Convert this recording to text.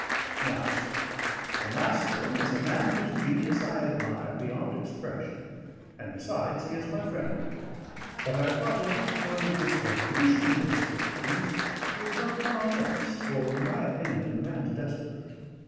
Now, sir, the Master is a man whose genius I admire beyond expression, and, besides, he is my friend; but I thought a little word of this revolution in his fortunes would not come amiss, for, in my opinion, the man's desperate.